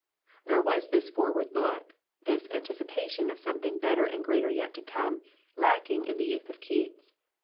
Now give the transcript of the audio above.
Nor was this forward look, this antic ipation of something better and greater yet to come, lacking in the youth of Keats.